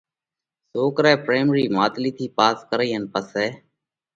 سوڪرئہ پرائمرِي ماتلِي ٿِي پاس ڪرئِي ان پسئہ